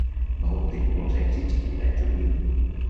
Va obtenir molts èxits en edat juvenil.